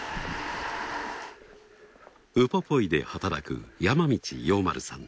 ウポポイで働く山道陽輪さん。